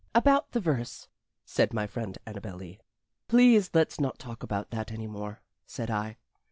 "About the verse" said my friend Annabel Lee. "Please let's not talk about that any more," said I.